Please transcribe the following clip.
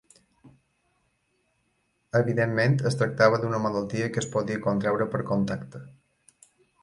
Evidentment, es tractava d'una malaltia que es podia contraure per contacte.